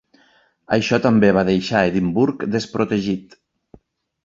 Això també va deixar Edimburg desprotegit.